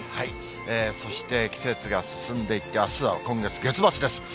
そして、季節が進んでいって、あすは今月月末です。